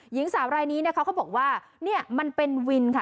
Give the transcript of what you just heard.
หญิงสาวรายนี้นะคะเขาบอกว่าเนี่ยมันเป็นวินค่ะ